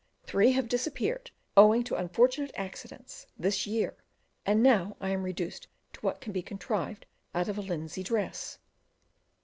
Three have disappeared, owing to unfortunate accidents, this year, and now I am reduced to what can be contrived out of a linsey dress.